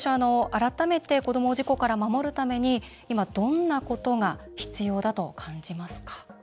改めて子どもを事故から守るために今、どんなことが必要だと感じますか？